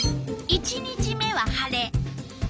１日目は晴れ。